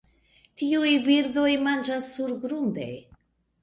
Tiuj birdoj manĝas surgrunde.